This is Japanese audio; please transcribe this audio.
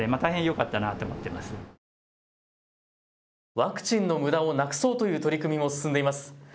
ワクチンのむだをなくそうという取り組みも進んでいます。